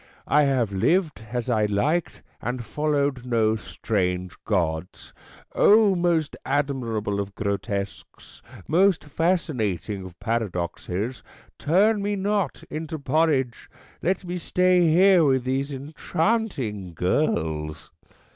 I have lived as I liked, and followed no strange gods. O, most admirable of grotesques, most fascinating of paradoxes, turn me not into porridge. Let me stay here with these enchanting girls."